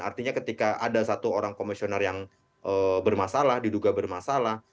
artinya ketika ada satu orang komisioner yang bermasalah diduga bermasalah